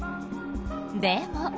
でも。